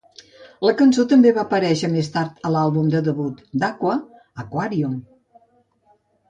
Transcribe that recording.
La cançó també va aparèixer més tard a l'àlbum de debut d'Aqua "Aquarium".